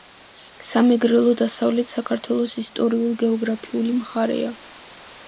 სამეგრელო დასავლეთ საქართველოს ისტორიულ-გეოგრაფიული მხარეა.